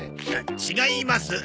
違います。